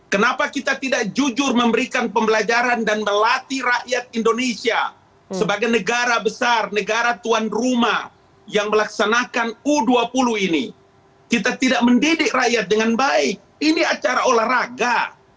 kenapa kita tidak jujur memberikan pembelajaran dan melatih rakyat indonesia sebagai negara besar negara tuan rumah yang melaksanakan u dua puluh ini kita tidak mendidik rakyat dengan baik ini acara olahraga